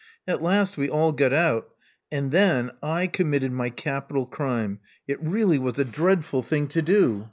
At last we all got out; and then I committed my capital crime — it really was a dreadful thing to do.